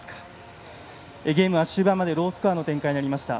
ゲームは終盤までロースコアの展開になりました。